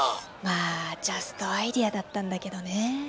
まあジャストアイデアだったんだけどね。